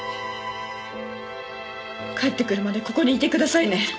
帰ってくるまでここにいてくださいね。